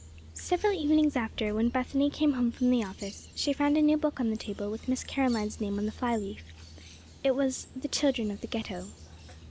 Several evenings after, when Bethany came home from the office, she found a new book on the table, with Miss Caroline's name on the fly leaf. It was "The Children of the Ghetto."